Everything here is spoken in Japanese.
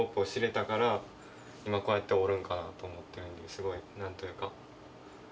すごいなんというか。